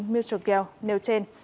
mitrogel nêu trên